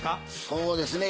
そうですね